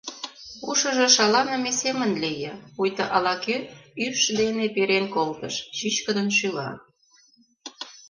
Ушыжо шаланыме семын лие, пуйто ала-кӧ ӱш дене перен колтыш, чӱчкыдын шӱла.